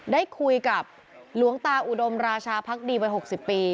ได้คุยกับหลวงตาอุดมราชาพักดีวัย๖๐ปี